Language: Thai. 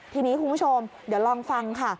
ทีนี้คุณผู้ชมเดี๋ยวลองฟังค่ะ